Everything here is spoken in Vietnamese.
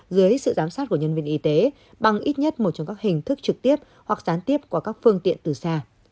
dưới sự giám sát của nhân viên y tế bằng ít nhất một trong các hình thức trực tiếp hoặc gián tiếp qua các phương tiện từ xa